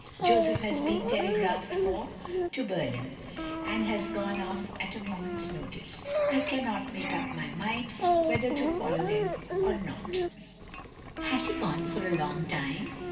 Joseph has been telegraphed for to Berlin, and has gone off at a moment's notice. I cannot make up my mind whether to follow him or not, " aaS THE LONELY LADY " Has he gone for a long time?"